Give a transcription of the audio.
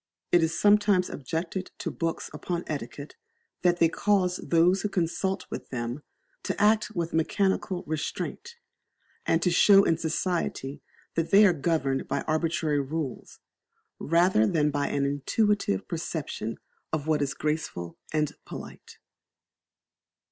It is sometimes objected to books upon etiquette that they cause those who consult them to act with mechanical restraint, and to show in society that they are governed by arbitrary rules, rather than by an intuitive perception of what is graceful and polite.